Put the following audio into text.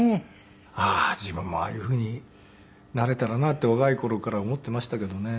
ああー自分もああいうふうになれたらなって若い頃から思っていましたけどね。